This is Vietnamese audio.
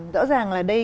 rõ ràng là đây